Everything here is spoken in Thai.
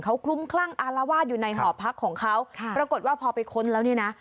เขาคลุ้มคลั่งอารวาสอยู่ในหอพักของเขาค่ะปรากฏว่าพอไปค้นแล้วเนี่ยนะ